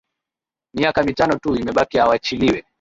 Miaka mitano tu imebaki awachiliwe